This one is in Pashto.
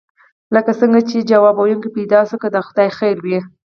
لکه چې ځواب ویونکی پیدا شو، که د خدای خیر وي.